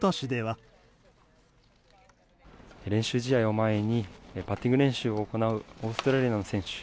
練習試合を前にバッティング練習するオーストラリアの選手。